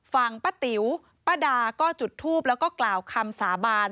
ป้าติ๋วป้าดาก็จุดทูปแล้วก็กล่าวคำสาบาน